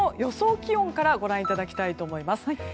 気温からご覧いただきたいと思います。